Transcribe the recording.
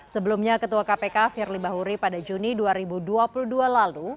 sebelumnya ketua kpk firly bahuri pada juni dua ribu dua puluh dua lalu